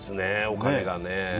お金がね。